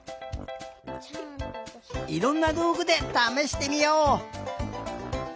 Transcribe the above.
いろんなどうぐでためしてみよう！